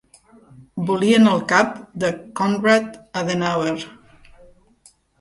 Volien el cap de Conrad Adenauer.